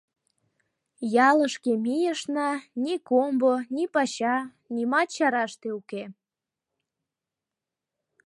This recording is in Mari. Ялышке мийышна, ни комбо, ни пача — нимат чараште уке.